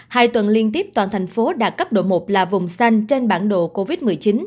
hai tuần liên tiếp toàn thành phố đạt cấp độ một là vùng xanh trên bản đồ covid một mươi chín